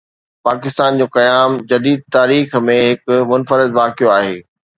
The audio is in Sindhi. پاڪستان جو قيام جديد تاريخ ۾ هڪ منفرد واقعو آهي.